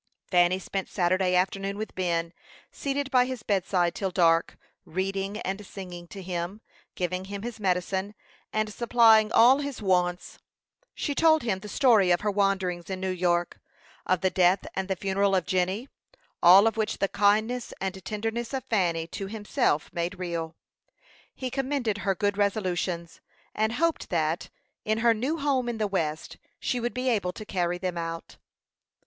Fanny spent Saturday afternoon with Ben, seated by his bedside till dark, reading and singing to him, giving him his medicine, and supplying all his wants. She told him the story of her wanderings in New York, of the death and the funeral of Jenny, all of which the kindness and tenderness of Fanny to himself made real. He commended her good resolutions, and hoped that, in her new home in the West, she would be able to carry them out.